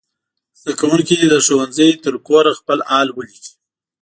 زده کوونکي دې له ښوونځي تر کوره خپل حال ولیکي.